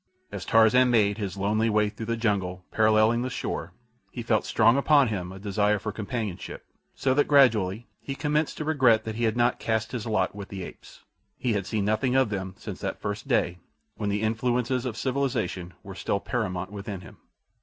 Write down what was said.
As Tarzan made his lonely way through the jungle paralleling the shore, he felt strong upon him a desire for companionship, so that gradually he commenced to regret that he had not cast his lot with the apes. He had seen nothing of them since that first day, when the influences of civilization were still paramount within him.